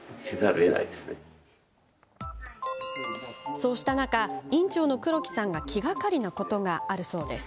そうした中、院長の黒木さんが気がかりなことがあるそうです。